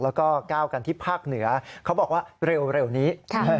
แล้วก็ก้าวกันที่ภาคเหนือเขาบอกว่าเร็วนี้